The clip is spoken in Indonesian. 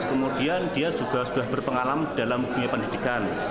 kemudian dia juga sudah berpengalam dalam dunia pendidikan